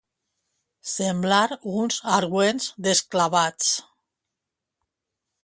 Semblar uns àrguens desclavats.